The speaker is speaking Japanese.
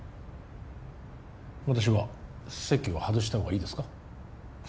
私は席を外したほうがいいですか？